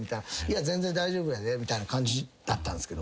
全然大丈夫やでみたいな感じだったんすけど。